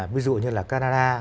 ví dụ như là canada